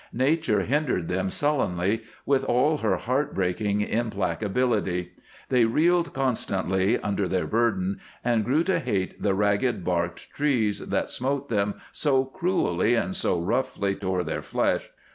Nature hindered them sullenly, with all her heart breaking implacability. They reeled constantly under their burden and grew to hate the ragged barked trees that smote them so cruelly and so roughly tore their flesh.